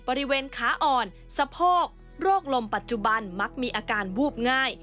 บริเวณขาอ่อนสะโพกโรคลมปัจจุบันมักมีอาการวูบง่าย